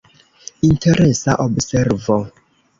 Interesa observo.